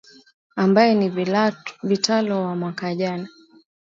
ambaye ni vitalo wa mwaka jana